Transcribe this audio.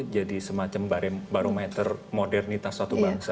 jadi semacam barometer modernitas satu bangsa